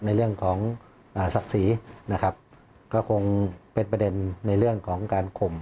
ในเรื่องของศักดิ์ศรีนะครับก็คงเป็นประเด็นในเรื่องของการข่ม